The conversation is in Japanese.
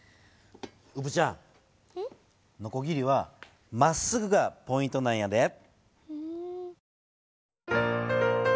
うぶちゃんのこぎりはまっすぐがポイントなんやで。